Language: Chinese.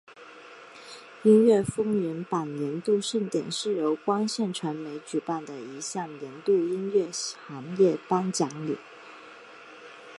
音乐风云榜年度盛典是由光线传媒举办的一项年度音乐行业颁奖礼。